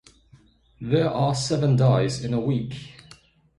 There are seven days in a week.